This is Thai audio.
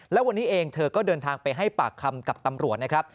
และวันนี้เองเธอก็เดินทางไปให้ปากคำกับตำรวจนะครับ